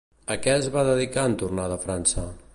A què es va dedicar en tornar de França?